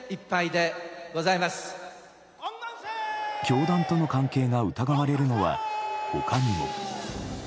教団との関係が疑われるのは他にも。